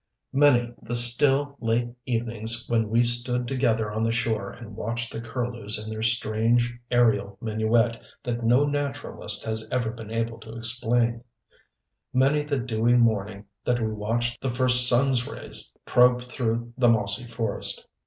Many the still, late evenings when we stood together on the shore and watched the curlews in their strange, aerial minuet that no naturalist has even been able to explain; many the dewey morning that we watched the first sun's rays probe through the mossy forest.